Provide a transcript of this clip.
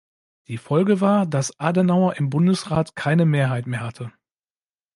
Die Folge war, dass Adenauer im Bundesrat keine Mehrheit mehr hatte.